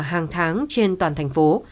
hàng tháng trên toàn thành phố